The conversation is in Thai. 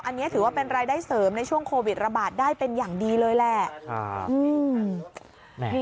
อันนี้ถือว่าเป็นรายได้เสริมในช่วงโควิดระบาดได้เป็นอย่างดีเลยแหละ